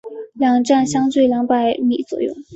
两站相距二百米左右。